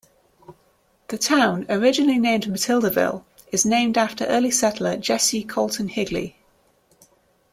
The town, originally named Matildaville, is named after early settler Jesse Colton Higley.